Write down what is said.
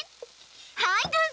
はいどうぞ！